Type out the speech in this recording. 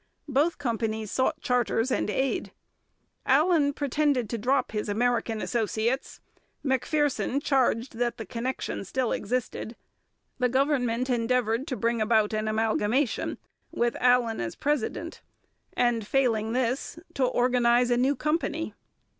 Both companies sought charters and aid. Allan pretended to drop his American associates; Macpherson charged that the connection still existed. The government endeavoured to bring about an amalgamation, with Allan as president, and, failing this, to organize a new company.